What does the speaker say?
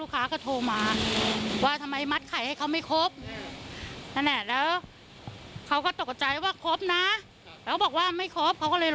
เด็กมันจะดูว่าพ่อแม่ขโมยมันจะไม่ดี